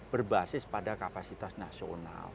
berbasis pada kapasitas nasional